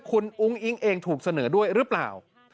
คุณอุ้งอิ๊งเองถูกเสนอด้วยหรือเปล่า